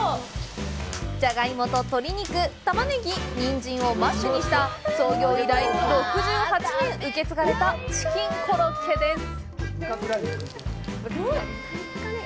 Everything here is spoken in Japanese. ジャガイモと鶏肉、タマネギニンジンをマッシュした創業以来６８年受け継がれたチキンコロッケです。